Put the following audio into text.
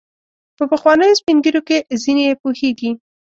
په پخوانیو سپین ږیرو کې ځینې یې پوهیږي.